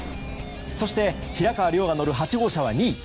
そして平川亮が乗る８号車は２位。